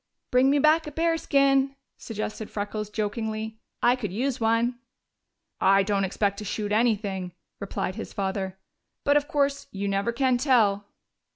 "Bring me back a bearskin," suggested Freckles jokingly. "I could use one." "I don't expect to shoot anything," replied his father. "But, of course, you never can tell."